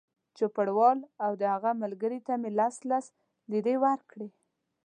چوپړوال او د هغه ملګري ته مې لس لس لېرې ورکړې.